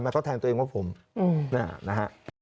เขาแทงตัวเองว่าผมนะฮะ